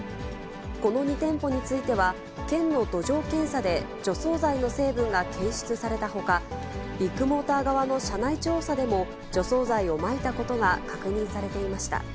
この２店舗については、県の土壌検査で除草剤の成分が検出されたほか、ビッグモーター側の社内調査でも、除草剤をまいたことが確認されていました。